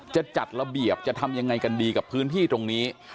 จะจัดระเบียบจะทำยังไงกันดีกับพื้นที่ตรงนี้